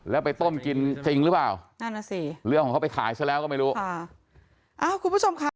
แล้วไปต้มกินจริงหรือเปล่าเรื่องของเค้าไปถ่ายใช่แล้วก็ไม่รู้